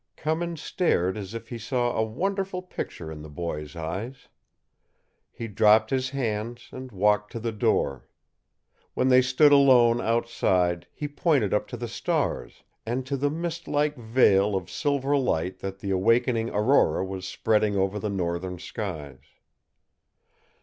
Cummins stared as if he saw a wonderful picture in the boy's eyes. He dropped his hands, and walked to the door. When they stood alone outside, he pointed up to the stars, and to the mist like veil of silver light that the awakening aurora was spreading over the northern skies.